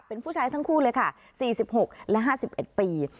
เป็นผู้ชายทั้งคู่เลยค่ะสี่สิบหกและห้าสิบเอ็ดปี